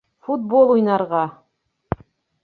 Футбол уйнарға!